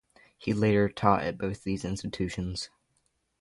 He later taught at both of these institutions.